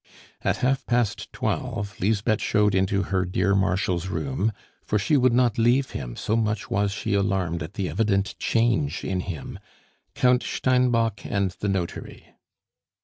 At half past twelve, Lisbeth showed into her dear Marshal's room for she would not leave him, so much was she alarmed at the evident change in him Count Steinbock and the notary.